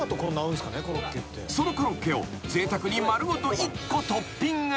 ［そのコロッケをぜいたくに丸ごと１個トッピング］